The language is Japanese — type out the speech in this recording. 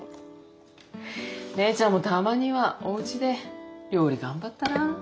芽依ちゃんもたまにはおうちで料理頑張ったら？